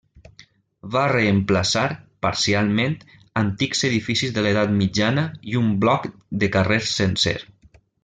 Va reemplaçar, parcialment, antics edificis de l'edat mitjana i un bloc de carrers sencer.